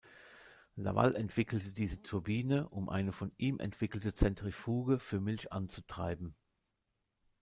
Laval entwickelte diese Turbine, um eine von ihm entwickelte Zentrifuge für Milch anzutreiben.